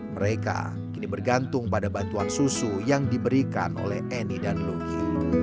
mereka kini bergantung pada bantuan susu yang diberikan oleh eni dan luki